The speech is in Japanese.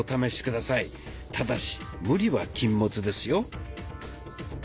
ただし無理は禁物ですよ。